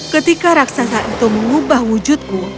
ketika raksasa itu mengubah wujudku